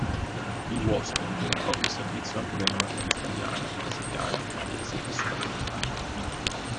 Il Wasp entrò in servizio anche nella marina australiana, brasiliana, malese e sudafricana.